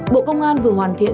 bộ công an vừa hoàn thiện